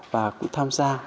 và cũng tham gia